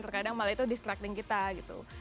terkadang malah itu distructing kita gitu